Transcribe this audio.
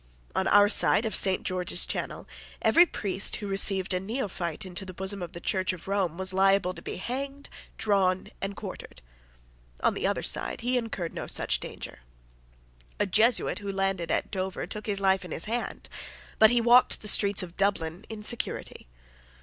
On our side of Saint George's Channel every priest who received a neophyte into the bosom of the Church of Rome was liable to be hanged, drawn, and quartered. On the other side he incurred no such danger. A Jesuit who landed at Dover took his life in his hand; but he walked the streets of Dublin in security.